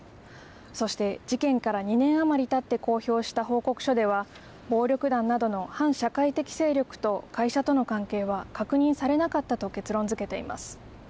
そして、事件から２年余りたって公表した報告書では、暴力団などの反社会的勢力と会社との関係は確認されなかったと結論付けています。